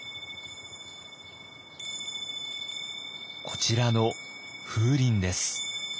こちらの風鈴です。